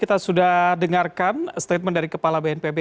kita sudah dengarkan statement dari kepala bnpb